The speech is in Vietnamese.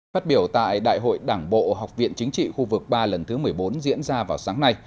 phát biểu tại đại hội đảng bộ học viện chính trị khu vực ba lần thứ một mươi bốn diễn ra vào sáng nay